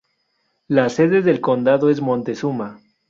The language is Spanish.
La sede del condado es Montezuma.